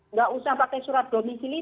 nggak usah pakai surat domisili